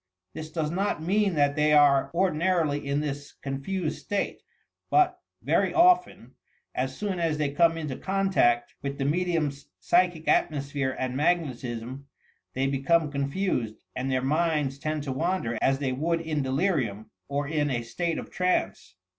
This does not mean that they are ordinarily in this confused state, but (very often) as soon as they come into contact with the medium's psychic atmosphere and magnetism, they become confused and their minds tend to wander as they would in delirium or in a state of trance.